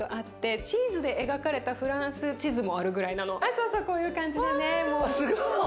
そうそうこういう感じでね。わすごい。